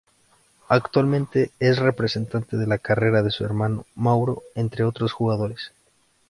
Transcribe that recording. Actualmente es representante de la carrera de su hermano Mauro, entre otros jugadores.